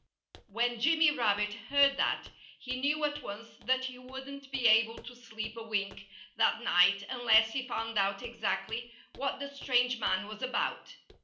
When Jimmy Rabbit heard that, he knew at once that he wouldn't be able to sleep a wink that night unless he found out exactly what the strange man was about.